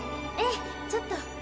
ええちょっと。